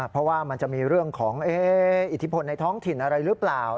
เพราะว่ามันจะมีเรื่องของอิทธิพลในท้องถิ่นอะไรหรือเปล่า